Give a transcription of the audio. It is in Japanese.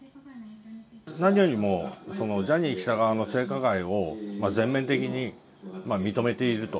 何よりもジャニー喜多川の性加害を、全面的に認めていると。